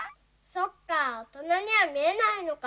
そっかおとなにはみえないのか。